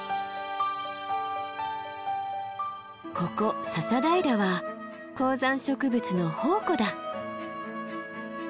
ここ笹平は高山植物の宝庫だ。